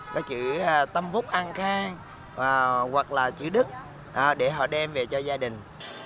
cái chữ tâm phúc an khang hoặc là chữ đức để họ đem về cho gia đình